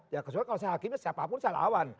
ya kecuali kalau saya hakimnya siapapun saya lawan